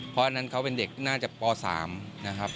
เพราะอันนั้นเขาเป็นเด็กน่าจะป๓นะครับ